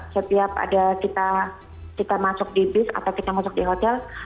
setiap ada kita masuk di bis atau kita masuk di hotel